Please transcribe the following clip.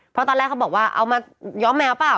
เพราะตอนแรกเขาบอกว่าเอามาย้อมแมวเปล่า